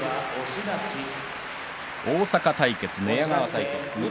大阪対決、寝屋川対決。